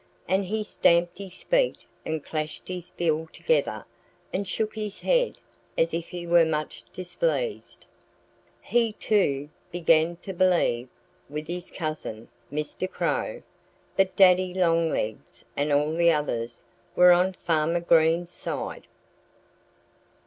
And he stamped his feet and clashed his bill together and shook his head as if he were much displeased. He, too, began to believe with his cousin, Mr. Crow that Daddy Longlegs and all the others were on Farmer Green's side.